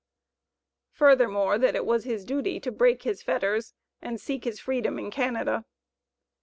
Furthermore, that it was his duty to break his fetters and seek his freedom in Canada.